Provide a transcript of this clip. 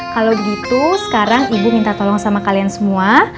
kalau begitu sekarang ibu minta tolong sama kalian semua